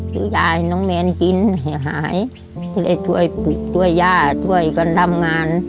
คือยายน้องแมนกินหายจะได้ช่วยปลูกช่วยย่าช่วยกันทำงาน